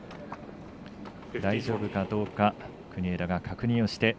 大丈夫かどうか国枝が確認をして。